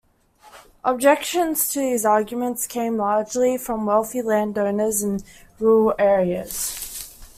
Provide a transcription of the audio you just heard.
Objections to these arguments came largely from wealthy land owners in rural areas.